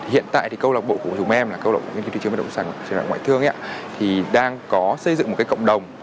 hiện tại thì câu lạc bộ của chúng em là câu lạc bộ của những thị trường bất động sản xuất trường đại học ngoại thương thì đang có xây dựng một cái cộng đồng